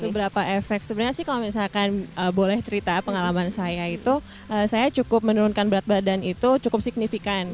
seberapa efek sebenarnya sih kalau misalkan boleh cerita pengalaman saya itu saya cukup menurunkan berat badan itu cukup signifikan